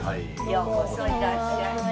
ようこそいらっしゃいませ。